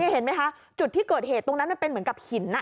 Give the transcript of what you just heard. เห็นไหมคะจุดที่เกิดเหตุตรงนั้นมันเป็นเหมือนกับหิน